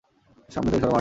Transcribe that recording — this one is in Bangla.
সামনে থেকে সরো, মার্টিন।